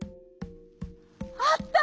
「あった！